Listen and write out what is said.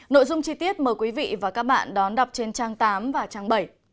nội dung chi tiết mời quý vị và các bạn đón đọc trên trang tám và trang bảy